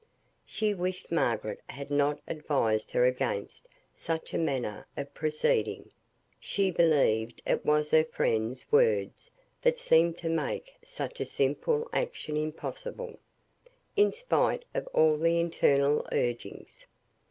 She wished Margaret had not advised her against such a manner of proceeding; she believed it was her friend's words that seemed to make such a simple action impossible, in spite of all the internal urgings.